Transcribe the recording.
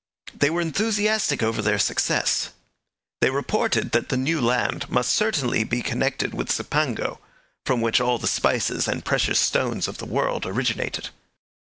They were enthusiastic over their success. They reported that the new land must certainly be connected with Cipango, from which all the spices and precious stones of the world originated.